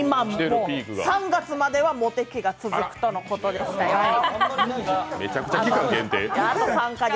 ３月まではモテ期が続くとのことでしたよ。